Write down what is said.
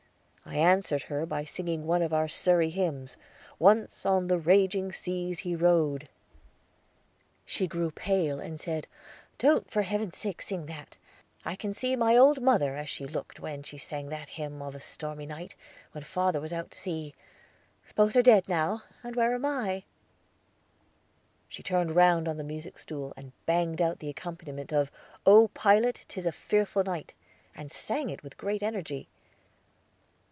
I answered her by singing one of our Surrey hymns, "Once on the raging seas he rode." She grew pale, and said, "Don't for heaven's sake sing that! I can see my old mother, as she looked when she sang that hymn of a stormy night, when father was out to sea. Both are dead now, and where am I?" She turned round on the music stool, and banged out the accompaniment of "O pilot, 'tis a fearful night," and sang it with great energy.